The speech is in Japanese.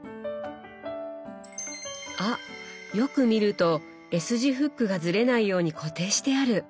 あっよく見るとＳ字フックがずれないように固定してある！